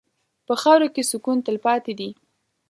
په خاوره کې سکون تلپاتې دی.